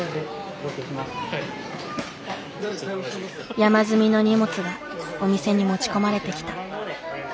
山積みの荷物がお店に持ち込まれてきた。